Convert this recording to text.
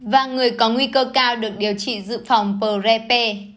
và người có nguy cơ cao được điều trị dự phòng prep